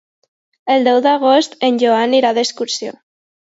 El deu d'agost en Joan irà d'excursió.